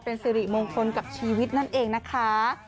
เป็นสิริมงคลกับชีวิตนั่นเองนะคะ